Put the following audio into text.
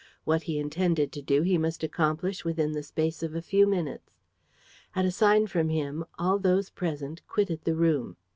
What he intended to do he must accomplish within the space of a few minutes. At a sign from him, all those present quitted the room.